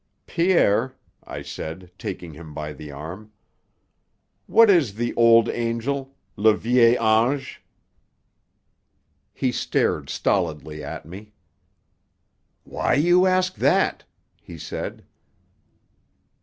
"Pierre," I said, taking him by the arm, "what is the Old Angel le Vieil Ange?" He stared stolidly at me. "Why you ask that?" he said.